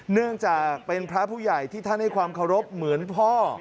เนื่องจากเป็นพระผู้ใหญ่ที่ท่านให้ความเคารพเหมือนพ่อ